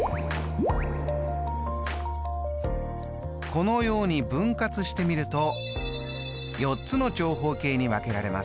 このように分割してみると４つの長方形に分けられます。